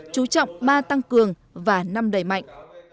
chú trọng ba tăng cường và năm đầy mạnh